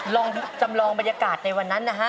ลองจำลองบรรยากาศในวันนั้นนะฮะ